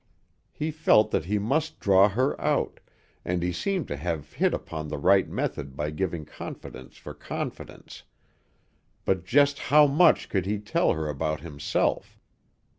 He felt that he must draw her out, and he seemed to have hit upon the right method by giving confidence for confidence; but just how much could he tell her about himself?